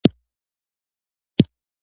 ښځي د زده کړو حق لري.